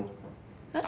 えっ？